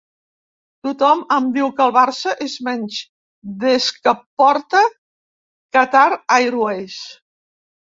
Tothom em diu que el Barça és menys des que porta Qatar Airways